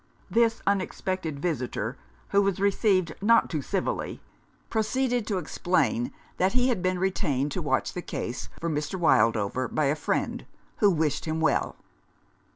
This un expected visitor, who was received not too civilly, proceeded to explain that he had been retained to watch the case for Mr. Wildover by a friend who wished him well.